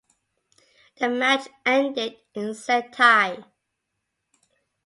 The match ended in said tie.